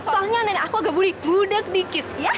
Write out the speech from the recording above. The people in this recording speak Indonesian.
soalnya nenek aku agak budik budek dikit ya